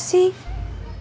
siapa yang emosi